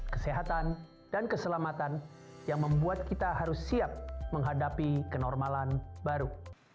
kesehatan dan keselamatan yang membuat kita harus siap menghadapi kenormalan baru